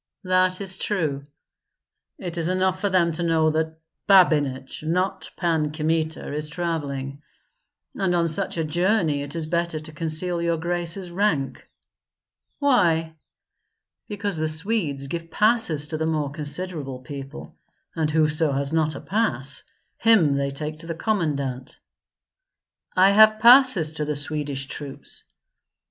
"That is true." "It is enough for them to know that Babinich, not Pan Kmita, is travelling. And on such a journey it is better to conceal your grace's rank." "Why?" "Because the Swedes give passes to the more considerable people; and whoso has not a pass, him they take to the commandant." "I have passes to the Swedish troops."